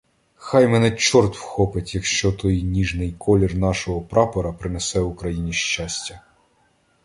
Хай мене чорт вхопить, якщо той ніжний колір нашого прапора принесе Україні щастя.